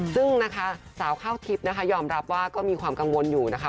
ซึ่งนะคะสาวข้าวทิพย์นะคะยอมรับว่าก็มีความกังวลอยู่นะคะ